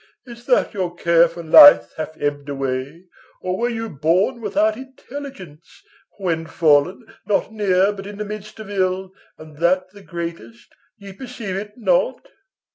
Is't that your care for life hath ebbed away, Or were you born without intelligence, When fallen, not near, but in the midst of ill, And that the greatest, ye perceive it not?